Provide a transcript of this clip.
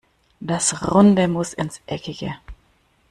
Das Runde muss ins Eckige.